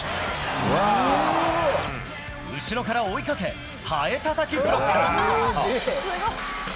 後ろから追いかけ、はえたたきブロック。